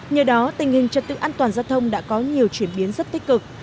nhờ đó tình hình trật tự an toàn giao thông đã có nhiều chuyển biến rất tích cực